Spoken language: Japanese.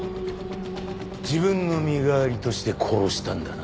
自分の身代わりとして殺したんだな？